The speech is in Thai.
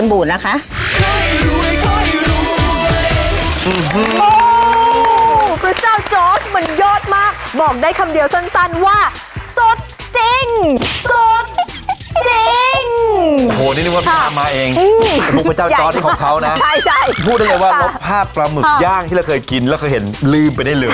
พูดได้เลยว่ารบพาวประหมึกย่างที่เราเคยกินเราเคยเห็นรื่มไปได้เลย